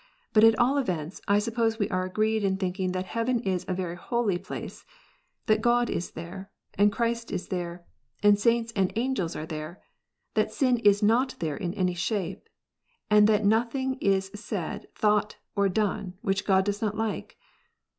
But at all events, I suppose \ve are agreed in thinking that heaven is a very holy place, that God is there, and Christ is there, and saints and angels are there, that sin is not there in any shape, and that nothing is said, thought, or done, which God does not like.